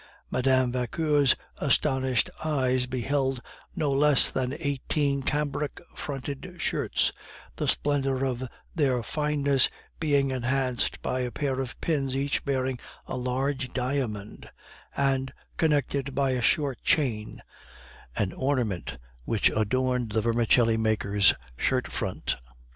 Mme. Vauquer's astonished eyes beheld no less than eighteen cambric fronted shirts, the splendor of their fineness being enhanced by a pair of pins each bearing a large diamond, and connected by a short chain, an ornament which adorned the vermicelli maker's shirt front.